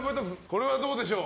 これはどうでしょう？